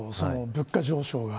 物価上昇が。